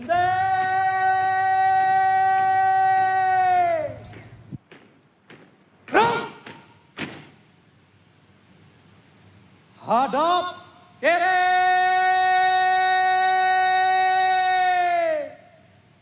dan juga pembuatan